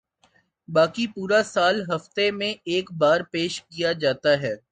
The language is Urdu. باقی پورا سال ہفتے میں ایک بار پیش کیا جاتا ہے